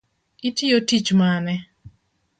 Itiyo tich mane?